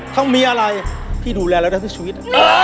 ถ้ามีอะไรพี่ดูแลเราได้ทุกชีวิต